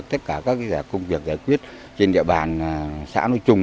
tất cả các công việc giải quyết trên địa bàn xã nội chung